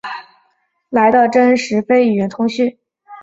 非语言讯息通常都比语言讯息来得真实。